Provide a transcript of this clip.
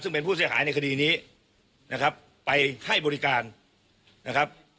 ซึ่งเป็นผู้เสียหายในคดีนี้นะครับไปให้บริการนะครับ